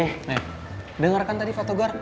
nih dengarkan tadi fatogar